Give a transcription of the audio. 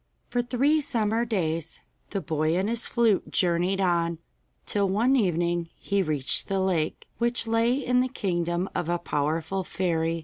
For three summer days the boy and his flute journeyed on, till one evening he reached the lake, which lay in the kingdom of a powerful fairy.